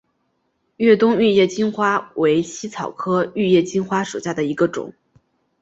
乐东玉叶金花为茜草科玉叶金花属下的一个种。